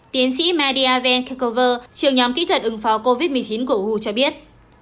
tiến sĩ maria van kekover trường nhóm kỹ thuật ứng phó covid một mươi chín của huu cho biết